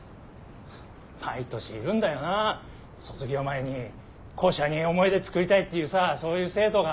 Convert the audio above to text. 毎年いるんだよなあ卒業前に校舎に思い出作りたいっていうさそういう生徒が。